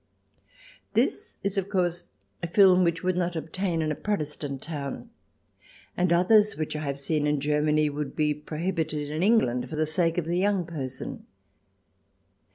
This is, of course, a film which would not obtain in a Protestant town. And others which I have seen in Germany would be prohibited in England for the sake of the young person.